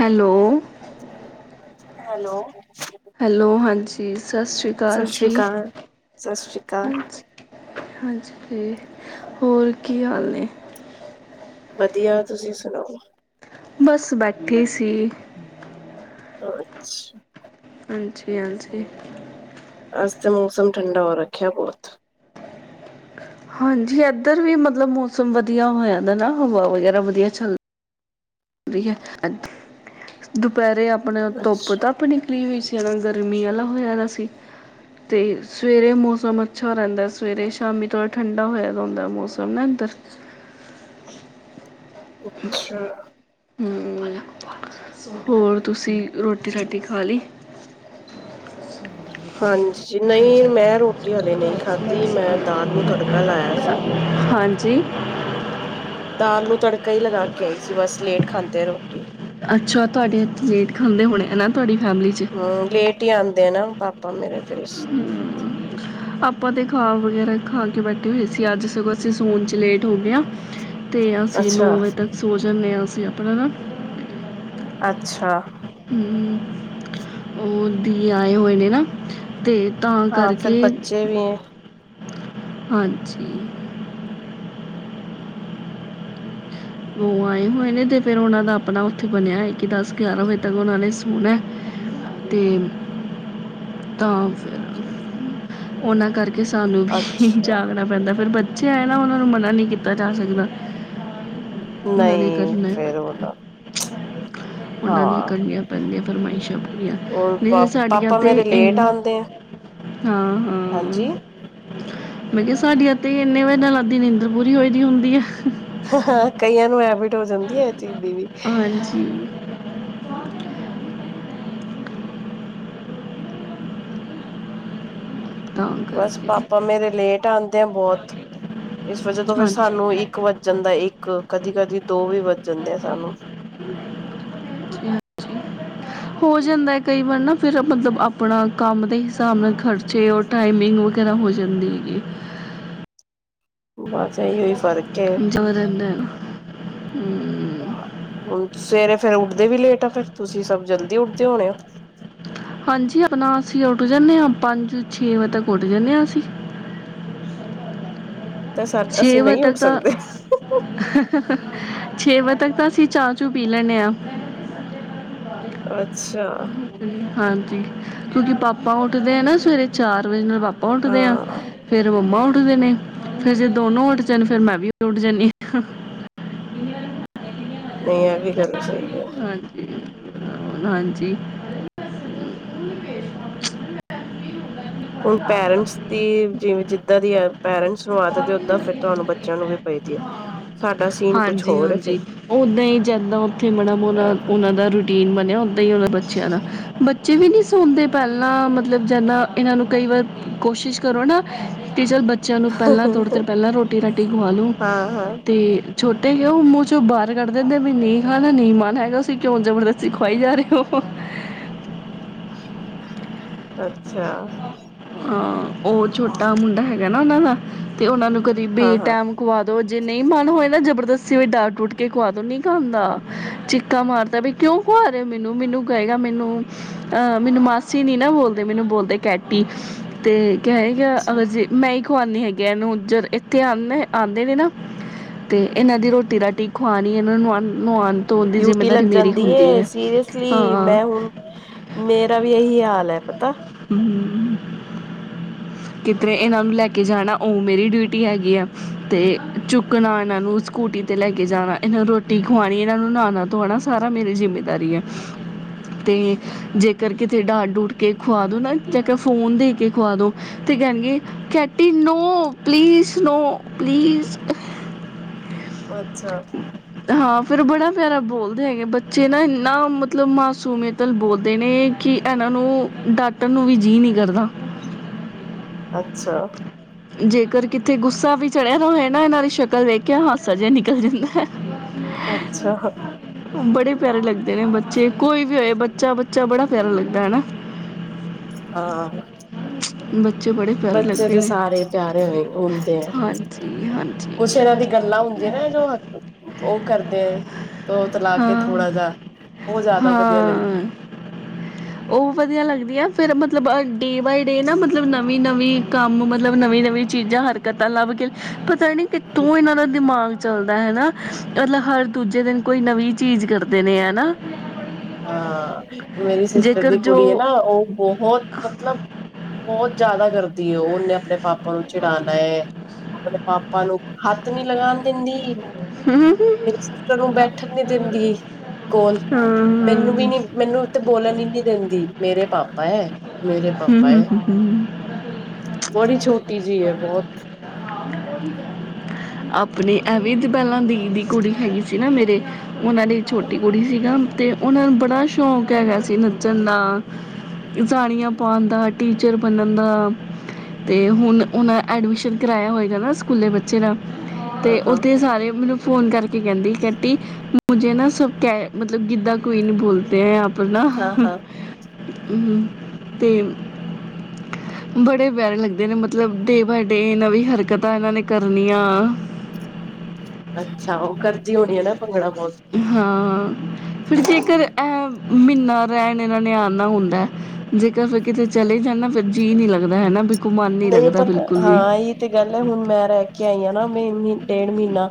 Hello hello hello ਹਾਂਜੀ ਸਤਿ ਸ਼੍ਰੀ ਸਤਿ ਅਕਾਲ ਸ੍ਰੀ ਜੀ ਅਕਾਲ। ਸਤਿ ਸ੍ਰੀ ਅਕਾਲ ਹਾਂਜੀ। ਹਾਂਜੀ, ਹੋਰ ਕੀ ਹਾਲ ਨੇ? ਵਧੀਆ ਤੁਸੀਂ ਸੁਣਾਓ ਬਸ ਬੈਠੀ ਸੀ ਅੱਛਾ ਹਾਂਜੀ ਹਾਂਜੀ ਅੱਜ ਤੇ ਮੌਸਮ ਠੰਡਾ ਹੋ ਰੱਖਿਆ ਬਹੁਤ ਹਾਂਜੀ ਏਧਰ ਵੀ ਮਤਲਬ ਮੌਸਮ ਵਧੀਆ ਹੋ ਜਾਂਦਾ ਨਾ ਮਤਲਬ ਹਵਾ ਵਗੈਰਾ ਵਧੀਆ ਚੱਲ ਰਹੀ ਆ [unintelligible] ਇੱਥੇ। ਦੁਪਹਿਰੇ ਆ ਆਪਣੇ ਉਹ ਧੁੱਪ ਧਾਪ ਨੀਂ ਟਰੀਵਸੀ ਆਲ਼ਾ ਗਰਮੀ ਵਾਲਾ ਹੋਇਆ ਸੀ ਤੇ ਸਵੇਰੇ ਮੌਸਮ ਅੱਛਾ ਰਹਿੰਦਾ ਸਵੇਰੇ ਸ਼ਾਮੀ ਥੋੜ੍ਹਾ ਠੰਡਾ ਹੋਇਆ ਹੁੰਦਾ ਮੌਸਮ ਨਾ ਇਧਰ ਅੱਛਾ ਹੂੰ [unintelligible] ਹੋਰ ਤੁਸੀਂ ਰੋਟੀ ਰੁਟੀ ਖਾ ਲਈ। ਹਾਂਜੀ ਜੀ ਨਹੀਂ ਮੈਂ ਰੋਟੀ ਜੀ ਹਲੇ ਨਹੀਂ ਖਾ ਦੀ ਮੈਂ ਦਾਲ ਨੂੰ ਤੜਕਾ ਲਾਇਆ ਜੀ ਹਾਂਜੀ ਦਾਲ ਨੂੰ ਤੜਕਾ ਈ ਲਗਾ ਕੇ ਆਈ ਸੀ ਬਸ ਲੇਟ ਖਾਂਦੇ ਆ ਰੋਟੀ। ਅੱਛਾ ਤੁਹਾਡੇ ਇੱਥੇ ਲੇਟ ਖਾਂਦੇ ਹੋਣੇ ਨਾ ਤੁਹਾਡੀ ਫੈਮਿਲੀ 'ਚ ਹੂੰ ਲੇਟ ਹੀ ਆਂ ਦੇ ਪਾਪਾ ਮੇਰੇ ਫਿਰ [unintelligible] ਆਪਾਂ ਤੇ ਖਾ ਵਗੈਰਾ ਖਾ ਕੇ ਬੈਠੇ ਹੋਏ ਸੀ ਅੱਜ ਸਗੋ ਅਸੀਂ ਸੋਨ ਚ ਲੇਟ ਹੋ ਗਏ ਹਾਂ ਤੇ ਅਸੀਂ ਨੌ ਅੱਛਾ ਵਜੇ ਤੱਕ ਸੋ ਜਾਂਨੇ ਹਾਂ ਅਸੀਂ ਆਪਣਾ ਨਾ ਅੱਛਾ। ਹੂੰ ਉਹ, ਦੀ ਆਏ ਹੋਏ ਨੇ ਨਾ, ਤੇ। ਹਾਂ ਫਿਰ ਬੱਚੇ ਵੀ ਹੈ ਹਾਂਜੀ ਉਹ ਆਏ ਹੋਏ ਨੇ ਤੇ ਫੇਿਰ ਉਹਨਾਂ ਦਾ ਆਪਣਾ ਉੱਥੇ ਬਣਿਆ ਕਿ ਦਸ ਗਿਆਰਾਂ ਵਜੇ ਤੱਕ ਉਹਨਾਂ ਨੇ ਹੋਣਾ ਹੈ, ਤੇ ਤਾਂ ਫਿਰ ਉਹਨਾਂ ਕਰਕੇ ਕਿ ਸਾਨੂੰ ਵੀ ਅੱਛਾ ਜਾਗਣਾ ਪੈਂਦਾ ਫਿਰ ਅੱਛਾ ਹੈ ਨਾ ਉਹਨਾਂ ਨੂੰ ਮਨਾ ਨਹੀਂ ਕੀਤਾ ਜਾ ਸਕਦਾ ਉਹਨਾਂ ਨੇ ਨਹੀਂ ਕਰਨਾ ਫੇਰ ਹੈ ਉਹ ਦਾ ਉਹਨਾਂ ਦੀ ਕਰਨੀਆਂ ਪੈਂਦੀਆਂ ਫਰਮਾਇਸ਼ਾਂ ਪੂਰੀਆਂ, ਹੁਣ ਪਾ ਨਹੀਂ ਸਾਡੀਆਂ ਪਾਪਾ ਤੇ ਮੇਰੇ ਐ ਲੇਟ ਨੀ ਆਂਦੇ ਆ ਹਾਂ ਹਾਂ ਹਾਂਜੀ। ਮੈਂ ਕਿਹਾ, ਸਾਡੀਆਂ ਤੇ ਇੰਨੇ ਵਜੇ ਨਾਲ ਅੱਧੀ ਨੀਂਦਰ ਪੂਰੀ ਹੋਏ ਦੀ ਹੁੰਦੀ ਹੈ ਹਾਂ ਹਾਂ, ਕਈਆਂ ਨੂੰ ਹੈਬੀਤ ਹੋ ਜਾਂਦੀ ਹੈ ਚੀਜ਼ ਦੀ ਵੀ ਹਾਂਜੀ ਤਾਂ ਬਸ ਕਰਕੇ ਪਾਪਾ ਮੇਰੇ ਲੇਟ ਖਾਂਦੇ ਐ, ਬਹੁਤ ਇਸ ਵਜ੍ਹਾ ਤੋਂ ਫੇਿਰ ਹਾਂਜੀ ਹਾਂਜੀ, ਸਾਨੂੰ ਇੱਕ ਵੱਜ ਜਾਂਦਾ ਇੱਕ ਇੱਕ, ਕਦੀ ਕਦੀ ਦੋ ਵੀ ਵੱਚ ਜਾਂਦੇ ਆ ਸਾਨੂੰ ਹੋ ਜਾਂਦਾ ਕਈ ਵਾਰ ਨਾ ਫਿਰ ਮਤਲਬ ਆਪਣਾ ਕੰਮ ਦੇ ਹਿਸਾਬ ਨਾਲ ਖਰਚੇ ਟਾਈਮਿੰਗ ਵਗੈਰਾ ਹੋ ਜਾਂਦੀ ਹੈਗੀ ਬਸ ਐ ਔ ਹੀ ਫ਼ਰਕ ਹੈ ਜੋ ਰਹਿੰਦਾ ਐ ਹੂ ਹੁਣ ਸਵੇਰੇ ਫਿਰ ਉੱਠਦੇ ਵੀ ਲੇਟ ਆ, ਫਿਰ ਤੁਸੀਂ ਸਭ ਜਲਦੀ ਉੱਠਦੇ ਹੋਣੇ ਆ ਹਾਂਜੀ ਆਪਣਾ ਅਸੀਂ ਉੱਠ ਜਾਂਨੇਂ ਆਂ, ਪੰਜ ਛੇ ਵਜੇ ਤੱਕ ਉੱਠ ਜਾਂਨੇਂ ਆ ਅਸੀਂ ਤਾਂ ਸਾ ਅਸੀਂ ਨਹੀਂ ਉੱਠ ਸਕਦੇ ਛੇ ਵਜੇ ਤੱਕ ਤਾਂ ਅਸੀਂ ਚਾਹ ਚੂ ਪੀ ਲੈਣੇ ਹਾਂ ਅੱਛਾ ਹਾਂਜੀ ਕਿਉਂਕਿ ਪਾਪਾ ਉੱਠਦੇ ਆ ਨਾ ਸਵੇਰੇ ਚਾਰ ਵਜੇ ਨਾਲ, ਪਾਪਾ ਉਠਦੇ ਆ ਹਾਂ ਫਿਰ ਮੰਮਾ ਮੰਮਾ ਉੱਠਦੇ ਨੇ, ਫੇਰ ਜੇ ਦੋਨੋਂ ਉੱਠ ਜਾਣ ਫੇਰ ਮੈਂ ਵੀ ਉੱਠ ਜਾਂਨੀ ਆ ਨਹੀਂ ਐ ਵੀ ਚਲੋ ਸਹੀ ਹੈ ਹਾਂਜੀ ਹੁਣ ਪੈਰੈਂਟਸ ਦੀ ਜਿਵੇਂ ਜਿੱਦਾਂ ਦੀ ਪੇਰੈਂਟਸ ਨੂੰ ਆਦਤ ਐ ਓਦਾਂ ਫਿਰ ਤੁਹਾਨੂੰ ਬੱਚਿਆਂ ਨੂੰ ਵੀ ਪਾਦੀ ਹੈ ਸਾਡਾ ਸੀਨ ਕੁਛ ਹੋਰ ਫਿਰ ਉਥੇ ਬੜੇ ਮੂਡ ਇਹ ਨਾਲ, ਉਹਨਾਂ ਦਾ ਰੂਟੀਨ ਬਣਿਆ ਓਦਾਂ ਹੀ ਉਹ ਬੱਚਿਆਂ ਦਾ ਬੱਚੇ ਵੀ ਨੀ ਸੁਣਦੇ ਪਹਿਲਾਂ ਮਤਲਬ ਜਨਾ ਇਹਨਾਂ ਨੂੰ ਕਈ ਵਾਰ ਕੋਸ਼ਿਸ਼ ਕਰੋ ਨਾ ਤੇ ਚੱਲ ਬੱਚਿਆਂ ਨੂੰ ਪਹਿਲਾਂ ਥੋੜ੍ਹੀ ਫਰਕ ਦੇਰ ਪਹਿਲਾਂ ਰੋਟੀ- ਰਾਟੀ ਗਵਾ ਲਉ ਹਾਂ ਹਾਂ ਤੇ ਛੋਟੇ ਹੀ ਓ ਮੂੰਹ ਚੋਂ ਬਾਹਰ ਕੱਢ ਦਿੰਦੇ ਵੀ ਨਹੀਂ [unintelligible] ਦਾ ਨਹੀਂ ਮਨ ਹੈਗਾ ਤਸੀਂ ਕਿਉਂ ਜਬਰਦਸਤੀ ਖਵਾਈ ਜਾ ਰਹੇ ਹੋ ਅੱ ਛਾ। ਹਾਂ ਉਹ ਛੋਟਾ ਮੁੰਡਾ ਹੈਗਾ ਨਾ ਉਹਨਾਂ ਦਾ ਤੇ ਉਹਨਾਂ ਨੂੰ ਕਦੀ ਵੀ ਹਾਂ-ਹਾਂ। ਟੈਮ ਖਵਾ ਦੋ ਜੇ ਨਹੀਂ ਮਨ ਹੋਏ ਨਾ ਜਬਰ ਦੱਸੀ ਵੀ ਡਾਟ ਡੂਟ ਕੇ ਖੁਆ ਦੋ ਨੀ ਖਾਂਦਾ ਚਿੱਕਾ ਮਾਰਦਾ ਵੀ ਕਿਉਂ ਖੁਆ ਰਹੇ ਹੋ ਮੈਨੂੰ ਮੈਨੂੰ ਕਹੇਗਾ ਮੈਨੂੰ ਅਹ ਮੈਨੂੰ ਮਾਸੀ ਨੀ ਨਾ ਬੋਲਦੇ ਮੈਨੂੰ ਬੋਲਦਾ ਕੈਟੀ ਤੇ ਕਏਗਾ ਅੱਛਾ ਅਗਰ ਜ ਮੈਂ ਖਵਾਉਨੀ ਹੈਗੇ ਇਹਨੂੰ ਜਦ ਇੱਥੇ ਆਦੇ ਆਉਂਦੇ ਨੇ ਨਾ ਤੇ ਇਹਨਾਂ ਦੀ ਰੋਟੀ -ਰਾਟੀ ਖਵਾਣੀ ਇਹਨਾਂ ਨੂੰ ਨੁਆਉਣ ਧੋਣ ਦੀ ਡਿਊਟੀ ਲੱਗ ਜਿੰਮੇਦਾਰੀ ਮੇਰੀ ਜਾਂਦੀ ਹੁੰਦੀ ਏ ਹੈ। ਸੀਰੀਅਸਲੀ ਹਾਂ ਮੈਂ ਹੁਣ ਮੇਰਾ ਵੀ ਇਹੀ ਹਾ ਲ ਐ ਪਤਾ। ਕਿਧਰੇ ਇਹਨਾਂ ਨੂੰ ਲੈ ਕੇ ਜਾਣਾ ਉਹ ਮੇਰੀ ਡਿਊਟੀ ਹੈਗੀ ਆ ਤੇ ਚੁੱਕਣਾ ਇਹਨਾਂ ਨੂੰ ਸਕੂਟੀ ਤੇ ਲੈ ਕੇ ਜਾਣਾ ਇਹਨਾਂ ਨੂੰ ਰੋਟੀ ਖਵਾਉਣੀ ਇਹਨਾਂ ਨੂੰ ਨਹਾਣਾ ਧੋਣਾ ਸਾਰਾ ਮੇਰੀ ਜਿੰਮੇਦਾਰੀ ਆ ਤੇ ਜੇਕਰ ਕਿਤੇ ਡਾਟ ਡੂਟ ਕੇ ਖਵਾ ਦੋ ਨਾ ਚ ਫੋਨ ਦੇ ਕੇ ਖਵਾ ਦੋ ਤੇ ਕਹਿਣਗੇ ਕੈਟੀ ਨੋ ਪਲੀਸ ਨੋ ਪਲੀਸ ਅੱਛਾ। ਫਿਰ ਬੜਾ ਪਿਆਰਾ ਬੋਲਦੇ ਹੈਗੇ ਬੱਚੇ ਨਾ ਇੰਨਾ ਮਤਲਬ ਮਾਸੂਮੀਅਤਲ ਬੋਲਦੇ ਨੇ ਕਿ ਇਹਨਾਂ ਨੂੰ ਡਾਟਨ ਨੂੰ ਵੀ ਜੀਅ ਨੀ ਕਰਦਾ। ਅੱਛਾ। ਜੇਕਰ ਕਿਤੇ ਗੁੱਸਾ ਵੀ ਚੜਿਆ ਤਾਂ ਹੋਏ ਨਾ ਇਹਨਾਂ ਦੀ ਸ਼ਕਲ ਵੇਖਿਆ ਹਾਸਾ ਜਿਹਾ ਨਿਕਲ ਜਾਂਦੈ ਅੱਛਾ। ਬੜੇ ਪਿਆਰੇ ਲੱਗਦੇ ਨੇ ਬੱਚੇ ਕੋਈ ਵੀ ਹੋਏ ਬੱਚਾ-ਬੱਚਾ ਬੜਾ ਪਿਆਰਾ ਲੱਗਦਾ ਹੈਨਾ ਹਾਂ। ਬ ਚੇ ਬੜੇ ਪਿਆਰੇ ਬੱਚੇ ਲੱਗਦੇ ਤੇ ਨੇ। ਸਾਰੇ ਪਿਆਰੇ ਹੋ ਹੁੰਦੇ ਆ ਹਾਂਜੀ ਹਾਂਜੀ ਕੁਛ ਇਹਨਾਂ ਦੀ ਹਾਂਜੀ ਗੱਲਾਂ ਹੁੰਦੀਆਂ ਨਾ ਜੋ ਉਹ ਕਰਦੇ ਤੋਤਲਾ ਕੇ ਹਾਂ ਥੋੜਾ ਜਾ ਉਹ ਜ਼ਿਆਦਾ ਵਧੀਆ ਲੱਗਦੀ ਹਾਂ ਏ ਦੀਆ ਫਿਰ ਮਤਲਬ ਡੇ ਬਾਏ ਡੇ ਨਾ ਮਤਲਬ ਨਵੀਂ-ਨਵੀਂ ਕੰਮ ਮ ਤਲਬ ਨਵੀਂ- ਨਵੀਂ ਚੀਜ਼ਾਂ ਹਰਕਤਾਂ ਲੱਭ ਕੇ ਤਾਂ ਨੀ ਹਮ ਕਿਥੋ ਇਹਨਾਂ ਦਾ ਦਿਮਾਗ ਚੱਲ ਦਾ ਹਨਾ ਮਤਲਬ ਹਰ ਦੂਜੇ ਦਿਨ ਕੋਈ ਨਵੀਂ ਚੀਜ਼ ਕਰਦੇ ਨੇ ਹਨਾ ਹਾਂ ਮੇਰੀ ਸਿਸਟਰ ਜੇਕਰ ਦੀ ਜੋ ਕੁੜੀ ਹੈ ਨਾ ਉਹ ਬਹੁਤ ਮਤਲਬ ਬਹੁਤ ਜਿਆਦਾ ਕਰਦੀ ਓ ਉਹਨੇ ਆਪਣੇ ਪਾਪਾ ਨੂੰ [unintelligible] ਆਪਣੇ ਪਾਪਾ ਨੂੰ ਹੱਥ ਨੀ ਲਗਾਉਣ ਦਿੰਦੀ। ਹਮ ਮੇਰੇ ਸਿਸਟਰ ਨੂੰ ਬੈਠਣ ਨੀ ਦਿੰਦੀ ਕੋਲ ਮੈਨੂੰ ਵੀ ਹਾਂ ਨੀ ਮੈਨੂੰ ਉਥੇ ਬੋਲਣ ਹੀ ਨੀ ਦਿੰਦੀ ਮੇਰੇ ਪਾ [unintelligible] ਮੇਰੇ ਪਾਪਾ ਐ ਹਮ ਬੜੀ ਛੋਟੀ ਜੀ ਐ ਬਹੁਤ ਆਪਣੇ ਐਵੇ ਦੀ ਪਹਿਲਾਂ ਦੀ ਦੀ ਕੁੜੀ ਹੈਗੀ ਸੀ ਨਾ ਮੇਰੇ ਉਹਨਾਂ ਦੀ ਛੋਟੀ ਕੁੜੀ ਸੀਗਾ ਤੇ ਉਹਨਾਂ ਨੂੰ ਬੜਾ ਸ਼ੌਕ ਹੈਗਾ ਸੀ ਨੱਚਣ ਦਾ, ਜਾਣੀਆਂ ਪਾਉਣ ਦਾ ਟੀਚਰ ਬਨਨ ਦਾ, ਤੇ ਹੁਣ ਉਹਨਾਂ ਐਡਮਿਸ਼ਨ ਕਰਾਇਆ ਹੋਇਆ। ਜਾਣਾ ਸਕੂਲੇ ਬੱਚੇ ਦਾ। ਹਾਂ ਤੇ ਹਾਂ ਉਥੇ ਸਾਰੇ ਮੈਨੂੰ ਫੋਨ ਕਰਕੇ ਕਿ ਕਹਿੰਦੀ ਕੱਟੀ। ਮੁਝੇ ਨਾ ਸਭ ਕਹਿ ਮਤਲਬ ਕਿੱਦਾ ਕੋਈ ਨੀ ਬੋਲਦੇ ਹੈ ਆਪ ਆਪ ਨਾ, ਹਾਂ ਹਾਂ ਤੇ, ਬੜੇ ਪਿਆਰੇ ਲੱਗਦੇ ਨੇ ਮਤਲਬ ਡੇ ਬਾਏ ਡੇ ਇਹ ਨਵੀਂ ਹਰਕਤ ਤਾਂ ਇਹਨਾਂ ਨੇ ਕਰਨੀ ਆ। ਅੱਛਾ, ਉਹ ਕਰਜ਼ੀ ਹੋਣੀ ਹੈ ਨਾ ਭੰਗੜਾ ਬਹੁਤ ਹਾਂ, ਫਿਰ ਜੇਕਰ ਇਹ। ਮਹੀਨਾ ਰਹਿਣ ਇਹਨਾਂ ਨੇ ਆਉਨਾ ਹੁੰਦਾ ਜੇਕਰ ਕਿਤੇ ਚਲੇ ਜਾਣਾ। ਨਹੀਂ ਪਤਾ, ਬਿਲਕੁਲ ਵੀ ਹਾਂ ਇਹ ਤੇ ਗੱਲ ਹੈ, ਹੁਣ ਮੈਂ ਰਹਿ ਕੇ ਆਈ ਹਾਂ ਨਾ। ਮੈ ਡੇਢ ਮਹੀਨਾ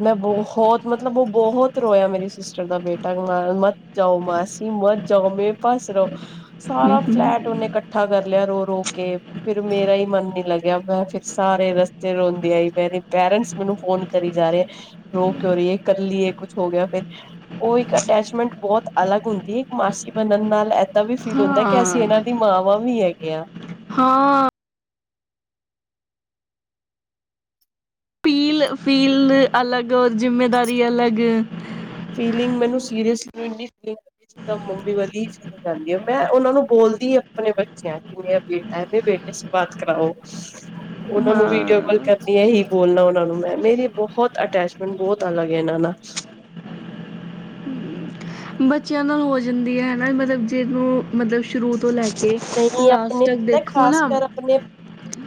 ਮੈਂ ਬਹੁਤ ਮਤਲਬ ਉਹ ਬਹੁਤ ਰੋਇਆ ਮੇਰੀ ਸਿਸਟਰ ਦਾ ਬੇਟਾ ਮਤ ਜਾਓ ਮਾਸੀ ਮਤ ਜਾਓ ਮੇਰੇ ਪਾਸ ਰਹੋ। ਸਾਰਾ ਫਲੈਟ ਉਹਨੇ ਇਕੱਠਾ ਕਰ ਰੋ ਰੋ ਕੇ ਫਿਰ ਮੇਰਾ ਹੀ ਮਨ ਨੀ ਲੱਗਿਆ, ਮੈਂ ਫਿਰ ਸਾਰੇ ਰਸਤੇ ਰੋਂਦੀ ਆਈ ਮੇਰੇ ਪੇਰੈਂਟਸ ਮੈਨੂੰ ਫੋਨ ਕਰੀ ਜਾ ਰਹੇ ਆ ਰੋ ਕਿਉ ਰਹੀਏ ਕੱਲੀ ਏ ਕੁਛ ਹੋ ਗਿਆ ਫੇਰ ਉਹ ਇੱਕ ਅਟੈਚਮੈਂਟ ਬਹੁਤ ਅਲੱਗ ਹੁੰਦੀ ਹੈ। ਇੱਕ ਮਾਸੀ ਬਣਨ ਨਾਲ ਇਦਾ ਵੀ ਫੀਲ ਹੁੰਦਾ ਕਿ ਹਾਂ ਅਸੀਂ ਇਹਨਾਂ ਦੀ ਮਾਂ। [unintelligible] ਵੀ ਹੈ। ਕਿਆ। ਹਾਂ। ਪੀਲ ਫੀਲ ਅਲੱਗ ਔਰ ਜਿੰਮੇਦਾਰੀ ਅਲੱਗ ਫੀਲਿੰਗ ਮੈਨੂੰ ਸੀਰੀਅਸ ਇਨੀਂ ਮੰਮੀ ਵਾਲੀ ਫੀਲਿੰਗ ਆਉਂਦੀ ਆ। ਮੈਂ ਉਹਨਾਂ ਨੂੰ ਬੋਲਦੀ ਆਪਣੇ ਬੱਚਿਆਂ ਨੂੰ ਕਿ ਮੇਰਾ ਬੇਟਾ ਮੇਰੇ ਬੇਟੇ ਸੇ ਬਾਤ ਕਰਾਓ। ਉਹਨਾਂ ਨੂੰ ਹਾਂ ਵੀਡੀਓ ਕਾਲ ਕਰਨੀ ਹੈ, ਇਹੀ ਬੋਲਣਾ ਉਹਨਾਂ ਨੂੰ ਮੈਂ। ਮੇਰੀ ਬਹੁਤ ਅਟੈਚਮੈਂਟ ਬਹੁਤ ਅਲੱਗ ਹੈ ਇਨਾ ਨਾ। ਬੱਚਿਆਂ ਨਾਲ ਹੋ ਜਾਂਦੀ ਹੈ, ਹਨਾ ਮਤਲਬ ਜਿਹਨੂੰ ਮਤਲਬ ਸ਼ੁਰੂ ਤੋਂ ਲੈ ਕੇ ਨਹੀਂ ਲਾਸਟ ਆਪਣੇ ਤੱਕ ਪਤਾ ਦੇਖੋ ਖਾਸ ਨਾ ਕਰ ਆਪਣੇ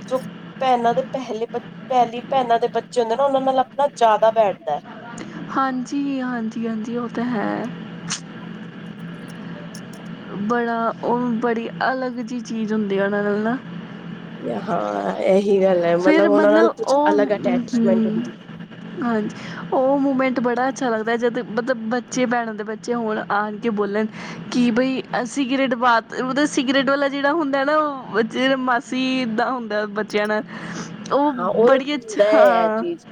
ਜੋ ਭੈਣਾਂ ਹ ਪਹਿਲੀ ਬ ਪਹਿਲੀ ਭੈਣਾਂ ਦੇ ਬੱਚੇ ਹੁੰਦੇ ਨਾ ਉਹਨਾਂ ਨਾਲ ਆਪਣਾ ਜ਼ਿਆਦਾ ਬੈਠਦਾ ਹੈ। ਹਾਂਜੀ, ਹਾਂਜੀ, ਹਾਂਜੀ ਉਹ ਤਾਂ ਹੈ। ਬੜਾ ਉਹ ਬੜੀ ਅਲੱਗ ਜਿਹੀ ਚੀਜ਼ ਹੁੰਦੀ ਆ ਉਹਨਾ ਨਾਲ ਨਾ। ਹਾਂ ਗੱਲ ਹੈ ਫਿਰ ਉਹਨਾਂ ਨਾਲ ਮਤਲਬ ਕੁਛ ਉਹ ਅਲੱਗ ਅਟੈਚਮੈਂਟ ਹੂੰ, ਹੁੰਦੀ ਹੈ ਹਾਂਜੀ ਉਹ ਮੂਮੈਂਟ ਬੜਾ ਅੱਛਾ ਲੱਗਦਾ ਜਦੋਂ ਮਤਲਬ। ਬੱਚੇ ਭੈਣਾਂ ਦੇ ਬੱਚੇ ਹੋਣ ਆਣ ਕੇ ਬੋਲਣ ਕਿ ਬਈ ਅਸੀਂ ਸਿਗਰਟ ਬਾ ਮਤਲਬ ਸਿਗਰਟ ਵਾਲਾ ਜਿਹੜਾ ਹੁੰਦਾ ਨਾ ਉਹ ਬੱਚੇ ਮਾਸੀ ਦਾ ਹੁੰਦਾ ਬੱਚਿਆਂ ਨਾਲ। ਉਹ ਹਾਂ ਹੋਰ ਬੜੀ ਅੱਛਾ ਹੁੰਦਾ ਆ ਹਾਂ ਚੀਜ਼।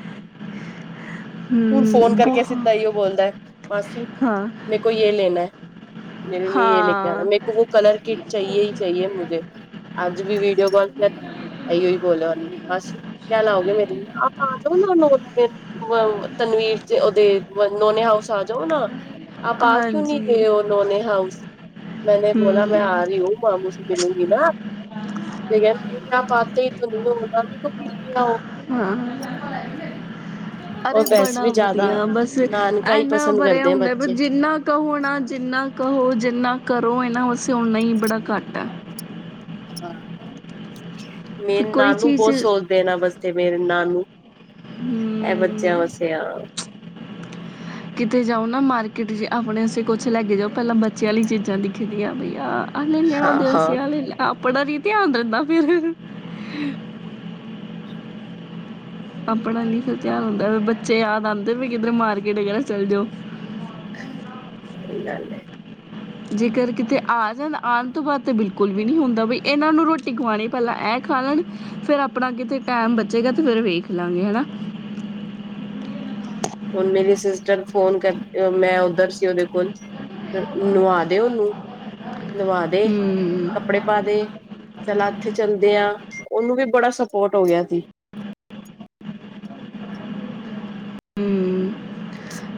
ਹੁਣ ਫੋਨ ਹੂੰ ਕਰਕੇ ਸਿੱਧਾ ਹੀ ਬਹੁਤ ਉਹ ਬੋਲਦਾ ਮਾਸੀ ਹਾਂ ਮੇਰੇ ਕੋ ਜੇਹ ਲੈਣਾ ਹੈ। ਮੇਰੇ ਲੀਏ ਇਹ ਲੈ ਕੇ ਆਉਣਾ ਹਾਂ ਮੇਰੇ ਕੋ ਕਲਰ ਕਿਟ ਚਾਹੀਏ ਹੀ ਚਾਹੀਏ ਮੁਝੇ ਅੱਜ ਵੀ ਵੀਡੀਓ ਕਾਲ ਕਰੀ ਅਓ ਹੀ ਬੋਲਿਆ ਉਹੇ ਮਾਸੀ ਕਿਆ ਲਾਓਗੇ ਮੇਰੇ ਲਈ ਆਪ ਆ ਜਾਓ ਨਾ। ਰਣਵੀਰ ਚ ਉਹਦੇ ਨੋਨੇ ਹਾਊਸ ਆ ਜਾਓ ਨਾ ਆਪ ਆ ਕਿਉਂ ਨੀ ਹਾਂਜੀ ਰਏ ਉਹ ਨੋਣੇ ਮੈਨੇ ਬੋਲਾ ਮੈਂ ਆ ਹੂੰ ਰਹੀ ਹੂੰ ਮਾਮੂ ਮਿਲੂੰਗੀ ਨਾ ਕਿਹਾ ਨਹੀਂ ਆਪ ਆਤੇ ਹੀ ਤੂੰ ਨਹੀਂ ਹੋ ਨਾਨੀ ਕੋ ਭੀ ਲੇ ਆਓ ਹਾਂ ਅਰੇ ਪੈਸੇ ਬੜਾ ਵਧੀਆ ਬਸ ਇੰਨਾ ਵਰਿਆ ਹੁੰਦਾ ਬ ਜਿੰਨਾ ਕਹੋ ਜਿੰਨਾ ਉਹ ਜਿੰਨਾ ਕਰੋ ਇਹਨਾ ਵਾਸਤੇ ਉਂਨਾ ਹੀ ਬੜਾ ਘੱਟ ਹੈ ਹਾਂ ਮੇ ਫਿਰ ਕੋਈ ਨਾਨੂ ਚੀਜ਼ ਬਹੁਤ ਸੋਚਦੇ ਇਹਨਾਂ ਵਾਸਤੇ ਮੇਰੇ ਨਾਨੂ ਇਹ ਬੱਚਿਆਂ ਹਮ ਵਾਸਤੇ ਆ ਕਿਤੇ ਜਾਓ ਨਾ ਮਾਰਕੀਟ ਚ ਆਪਣੇ ਵਾਸਤੇ ਕੁਛ ਲੈ ਕੇ ਜਾਓ ਪਹਿਲਾਂ ਬੱਚਿਆਂ ਵਾਲੀ ਚੀਜ਼ਾਂ ਦਿਖੀ ਦੀਆਂ ਬਈ ਆ ਨਹੀਂ ਨਹੀਂ ਉਹ ਹਾਂ ਹਾਂ। ਦੇਸੀ ਵਾਲ ਆਪ ਪੜਨ ਤੇ ਧਿਆਨ ਰਹਿੰਦਾ ਫਿਰ ਆਪਣਾ ਨਹੀਂ ਫਿਰ ਧਿਆਨ ਹੁੰਦਾ ਬੱਚੇ ਯਾਦ ਆਉਂਦੇ ਵੀ ਕਿਧਰ ਮਾਰਕੀਟ ਵਗੈਰਾ ਚੱਲ ਜਾਓ ਸਹੀ ਗੱਲ ਹੈ ਜੇਕਰ ਕਿਤੇ ਆ ਜਾਣ ਆਉਣ ਤੋਂ ਬਾਅਦ ਤਾਂ ਬਿਲਕੁਲ ਵੀ ਨਹੀਂ ਹੁੰਦਾ ਬਈ ਇਹਨਾਂ ਨੂੰ ਰੋਟੀ ਖਵਾਉਣੀ ਪਹਿਲਾਂ ਇਹ ਖਾ ਲੈਣ ਫਿਰ ਆਪਣਾ ਕਿਤੇ ਟੈਮ ਬਚੇਗਾ ਤੇ ਫਿਰ ਵੇਖ ਲਾਂਗੇ ਹਨਾ ਹੁਣ ਮੇਰੀ ਸਿਸਟਰ ਫੋਨ ਕਰ ਮੈਂ ਓਧਰ ਸੀ ਉਹਦੇ ਕੋਲ ਨਵਾ ਦੇ ਨੂੰ ਨਵਾ ਦੇ ਹਮ ਕੱਪੜੇ ਪਾ ਦੇ ਚਲ ਇੱਥੇ ਚੱਲਦੇ ਆ ਉਨੂੰ ਵੀ ਬੜਾ ਸਪੋਰਟ ਹੋ ਗਿਆ ਸੀ ਹਮ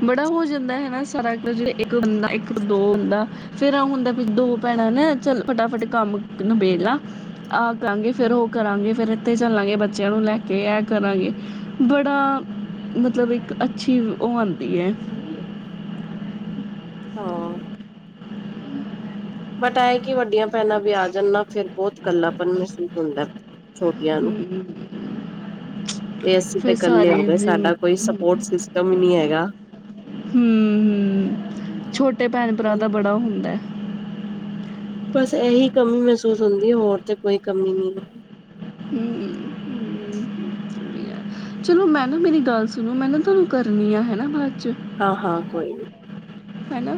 ਬੜਾ ਹੋ ਜਾਂਦਾ ਹਨਾ ਸਾਰਾ ਜਿਹ ਇੱਕ ਬੰਦਾ ਇੱਕ ਦੋ ਹੁੰਦਾ ਫੇਰ ਆ ਹੁੰਦਾ ਦੋ ਭੈਣਾਂ ਨਾ ਚ ਫਟਾਫਟ ਕੰਮ ਨਿਬੇੜਲਾ ਆ ਕਰਾਂਗੇ ਫੇਰ ਉਹ ਕਰਾਂਗੇ ਫਿਰ ਇੱਥੇ ਚੱਲਾਂਗੇ ਬੱਚਿਆਂ ਨੂੰ ਲੈ ਕੇ ਇਹ ਕਰਾਂਗੇ ਬੜਾ ਮਤਲਬ ਇੱਕ ਅੱਛੀ ਉਹ ਆਉਂ [unintelligible] ਹਾਂ ਬਟ ਐਏ ਕਿ ਵੱਡੀਆਂ ਭੈਣਾਂ ਵੀ ਆ ਜਾਂਣ ਨਾ ਫਿਰ ਬਹੁਤ ਕੱਲਾਪਨ ਮਹਿਸੂਸ ਹੁੰਦਾ ਛੋਟੀਆਂ ਨੂੰ ਵੀ ਅਸੀਂ ਤੇ ਫਿਰ ਇਕੱਲੇ ਸਾਰੀ ਹੋ ਗਏ ਸਾਡਾ ਕੋਈ ਸਪੋਰਟ ਸਿਸਟਮ ਹੀ ਨਹੀਂ ਹੈਗਾ। [unintelligible] ਛੋਟੇ ਭੈਣ ਭਰਾ ਦਾ ਬੜਾ ਹੁੰਦਾ ਬਸ ਇਹੀ ਕਮੀ ਮਹਿਸੂਸ ਹੁੰਦੀ ਹੋਰ ਤੇ ਕੋਈ ਕਮੀ ਨਹੀਂ ਹੈ ਚਲੋ ਮੈਂ ਨਾ ਮੇਰੀ ਗੱਲ ਸੁਣੋ ਮੈਂ ਨਾ ਤੁਹਾਨੂੰ ਕਰਨੀ ਆ ਹਨਾ ਹਾਂ ਹਾਂ ਕੋਈ ਨੀ ਹਨਾ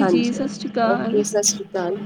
ਹਾਂਜੀ ਓਕੇ ਸਤਿ ਸ੍ਰੀ ਅਕਾਲ